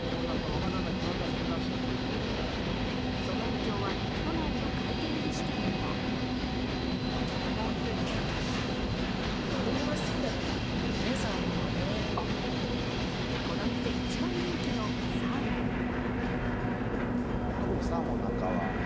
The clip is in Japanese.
その影響は都内の回転ずし店にもこの店一番人気のサーモン。